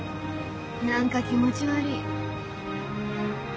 何か気持ち悪い。